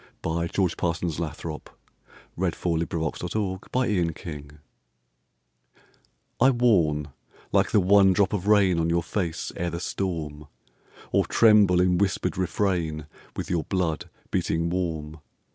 By George ParsonsLathrop 1070 The Voice of the Void I WARN, like the one drop of rainOn your face, ere the storm; Or tremble in whispered refrainWith your blood, beating warm.